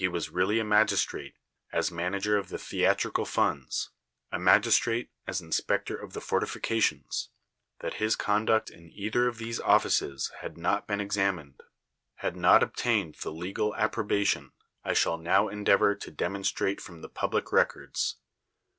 'as really a magistrate, as manager of the theatrical funds; a magistrate, as inspector of the fortifications; that his con 'luct in eitbier of these offices had not been examined, had not obtained the legal approba tion, I sliall now end(^avor to demonstrate from the pul)]ic records.